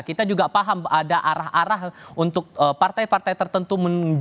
kita juga paham ada arah arah untuk partai partai tertentu